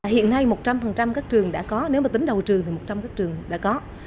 hiện nay một trăm linh các trường đã có nếu mà tính đầu trường thì một trăm linh các trường đã có